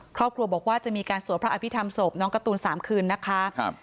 ครอบครัวบอกว่าจะมีการสวดพระอภิษฐรรมศพน้องการ์ตูน๓คืนนะคะครับ